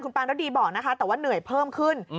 ปางฤดีบอกนะคะแต่ว่าเหนื่อยเพิ่มขึ้น